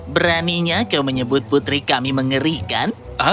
beraninya kau menyebut putri kami mengerikan